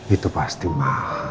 itu pasti ma